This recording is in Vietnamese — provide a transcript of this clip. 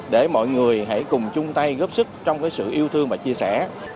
để mọi người hãy cùng chung tay góp sức trong sự yêu thương và chia sẻ